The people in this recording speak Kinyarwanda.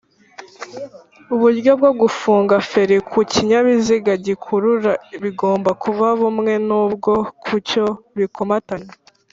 uburyo bwo gufunga feri kukinyabiziga gikurura bigomba kuba bumwe n’ubwo kucyo bikomatanye